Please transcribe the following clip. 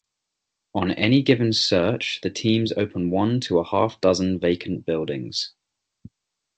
On any given search the teams open one to a half-dozen vacant buildings.